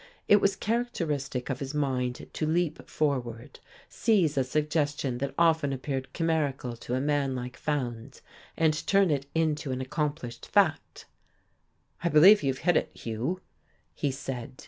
It was characteristic of his mind to leap forward, seize a suggestion that often appeared chimerical to a man like Fowndes and turn it into an accomplished Fact. "I believe you've hit it, Hugh," he said.